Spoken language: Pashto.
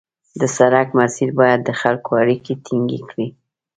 د سړک مسیر باید د خلکو اړیکې ټینګې کړي